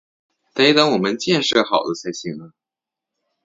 得等我们建设好了才行啊